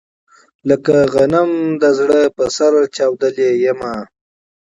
لکه غنم د زړه په سر چاودلی يمه